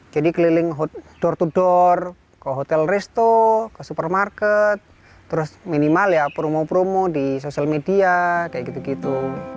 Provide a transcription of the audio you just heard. jadi keliling door to door ke hotel resto ke supermarket terus minimal ya promo promo di sosial media kayak gitu gitu